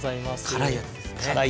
辛いやつです。